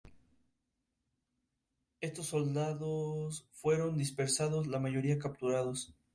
Sus soldados fueron dispersados, la mayoría capturados.